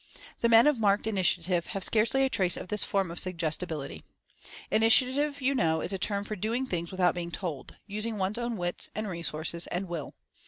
The men of marked Initiative have scarcely a trace of this form of suggestibility. 'Initiative,' you know, is a term for 'doing things without being told' — using one's own wits, and resources, and WILL."